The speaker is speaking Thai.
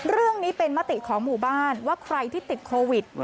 เรื่องนี้เป็นมติของหมู่บ้านว่าใครที่ติดโควิด